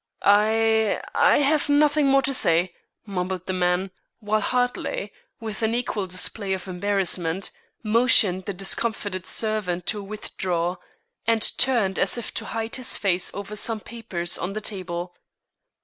"I I have nothing more to say," mumbled the man, while Hartley, with an equal display of embarrassment, motioned the discomfited servant to withdraw, and turned as if to hide his face over some papers on the table.